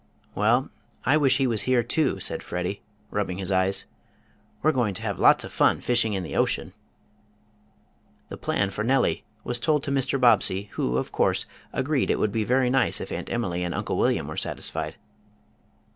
"Well, I wish he was here too," said Freddie, rubbing his eyes. "We're goin' to have lots of fun fishing in the ocean." The plan for Nellie was told to Mr. Bobbsey, who, of course agreed it would be very nice if Aunt Emily and Uncle William were satisfied.